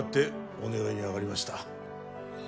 お願いにあがりました